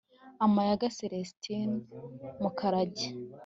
Amayaga Selestini Mukarage